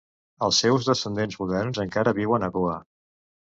Els seus descendents moderns encara viuen en Goa.